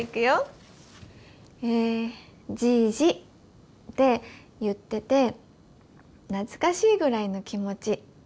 「じいじって言ってて懐かしいぐらいの気持ち。